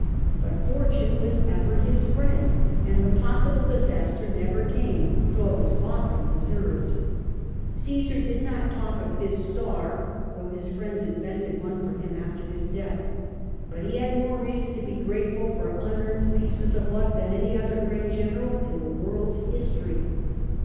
But fortune was ever his friend, and the possible disaster never came, though it was often deserved. Osesar did not talk of his star " (though his friends invented one for him after his death), but he had more reason to be grateful for unearned pieces of luck than any other great general in the world^s history.